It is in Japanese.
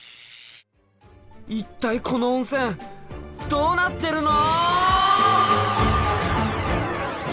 一体この温泉どうなってるの！